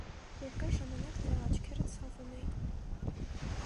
երկար ժամանակ նրա աչքերը ցավում էին.